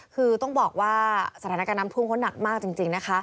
คือต้องบอกว่าสถานการณ์นำทรวงงคลนหนักมากจริง